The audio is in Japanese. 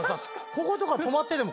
こことか止まってても。